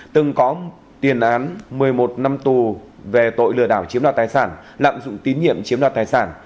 từng có tiền án một mươi một năm tù về tội lừa đảo chiếm đoạt tài sản lạm dụng tín nhiệm chiếm đoạt tài sản